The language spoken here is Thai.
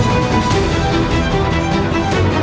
มากยุ่งสุดท้ายไปเรียบร้อย